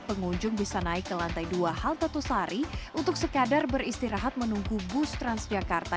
pengunjung bisa naik ke lantai dua halte tusari untuk sekadar beristirahat menunggu bus transjakarta